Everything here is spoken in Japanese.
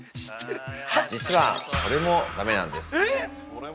実はそれもだめなんです。